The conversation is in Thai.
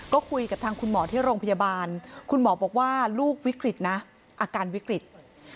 ก็คุยกับทางคุณหมอที่โรงพยาบาลคุณหมอบอกว่าลูกวิกฤตนะอาการวิกฤต